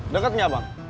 deket gak bang